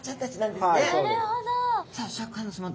さあシャーク香音さま